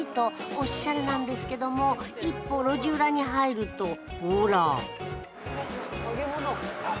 おしゃれなんですけども一歩路地裏に入るとほら揚げ物。